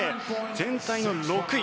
全体の６位。